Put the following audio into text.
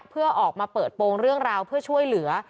เพื่อออกมาเปิดโปรงเรื่องราวเพื่อช่วยเหลือ